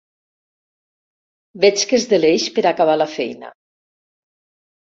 Veig que es deleix per acabar la feina.